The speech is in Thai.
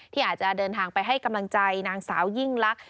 ที่อาจจะเดินทางไปให้กำลังใจนางสาวยิ่งลักษ